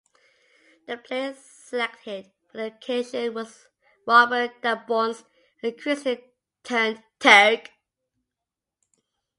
The play selected for that occasion was Robert Daborne's "A Christian Turn'd Turk".